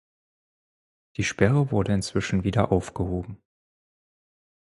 Die Sperre wurde inzwischen wieder aufgehoben.